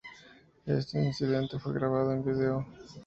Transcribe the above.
Este incidente fue grabado en video.